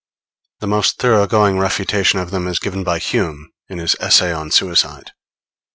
The most thorough going refutation of them is given by Hume in his Essay on Suicide.